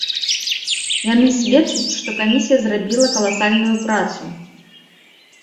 Яны сведчаць, што камісія зрабіла каласальную працу.